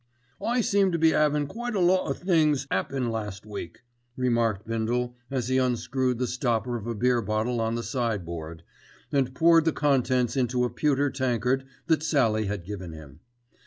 "I seem to been 'avin' quite a lot o' things 'appen last week," remarked Bindle as he unscrewed the stopper of a beer bottle on the sideboard, and poured the contents into the pewter tankard that Sallie had given him.